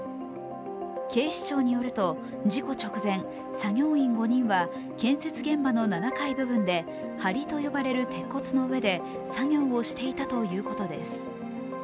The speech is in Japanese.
警視庁によると、事故直前、作業員５人は建設現場の７階部分ではりと呼ばれる鉄骨の上で作業をしていたということです。